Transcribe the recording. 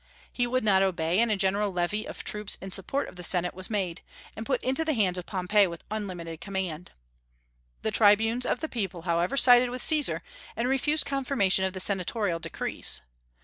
He would not obey, and a general levy of troops in support of the Senate was made, and put into the hands of Pompey with unlimited command. The Tribunes of the people, however, sided with Caesar, and refused confirmation of the Senatorial decrees.